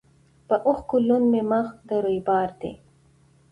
په اوښکو لوند مي مخ د رویبار دی